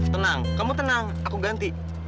tenang kamu tenang aku ganti